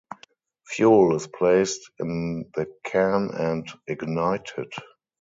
Fuel is placed in the can and ignited.